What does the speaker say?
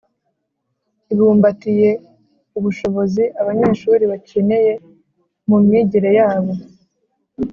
ibumbatiye ubushobozi abanyeshuri bakeneye mu myigire yabo.